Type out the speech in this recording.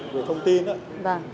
về thông tin